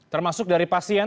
termasuk dari pasien